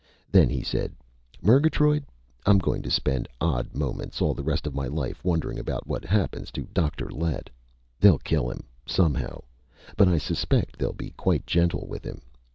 Then he said: "Murgatroyd, I'm going to spend odd moments all the rest of my life wondering about what happens to Dr. Lett! They'll kill him, somehow. But I suspect they'll be quite gentle with him.